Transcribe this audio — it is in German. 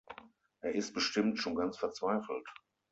Er ist bestimmt schon ganz verzweifelt.